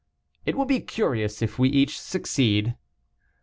"It will be curious if we each succeed."